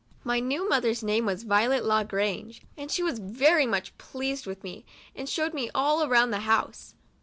My new mother's name was Violet La Grange, and she was very much pleased with me, and showed me all round the house.